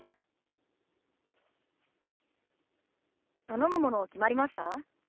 頼むもの決まりました？